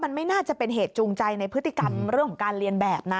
มันไม่น่าจะเป็นเหตุจูงใจในพฤติกรรมเรื่องของการเรียนแบบนะ